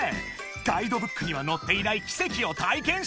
ガイドブックには載っていない奇跡を体験したい］